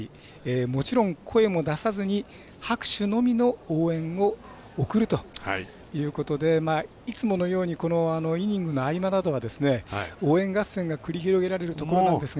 もちろん声も出さずに拍手のみの応援を送るということでいつものようにイニングの合間などは応援合戦が繰り広げられるところなんですが。